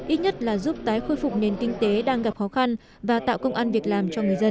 ít nhất là giúp tái khôi phục nền kinh tế đang gặp khó khăn và tạo công an việc làm cho người dân